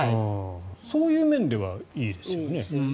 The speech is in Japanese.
そういう面ではいいですよね。